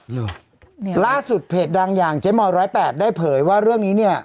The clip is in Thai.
เหรอเนี่ยล่าสุดเพจดังอย่างเจ๊มอย๑๐๘ได้เผยว่าเรื่องนี้เนี่ย